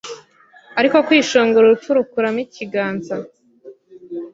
ariko kwishongora urupfu rukuramo ikiganza